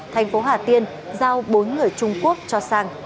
thành phố hà tiên giao bốn người trung quốc cho sang